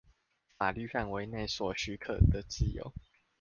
法律範圍內所許可的自由